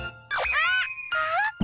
あっ！